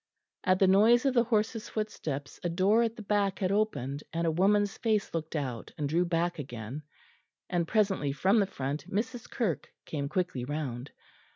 At the noise of the horses' footsteps a door at the back had opened, and a woman's face looked out and drew back again; and presently from the front Mrs. Kirke came quickly round.